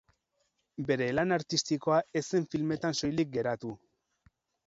Bere lan artistikoa ez zen filmetan soilik geratu.